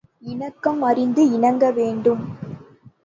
இணக்கம் அறிந்து இணங்க வேண்டும்.